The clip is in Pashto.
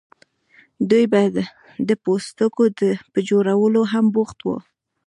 دوی به د پوستکو په جوړولو هم بوخت وو.